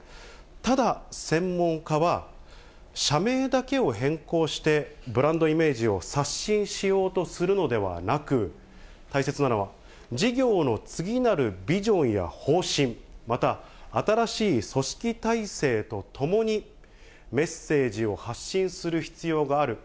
ただ、専門家は、社名だけを変更して、ブランドイメージを刷新しようとするのではなく、大切なのは、事業の次なるビジョンや方針、また、新しい組織体制とともにメッセージを発信する必要がある。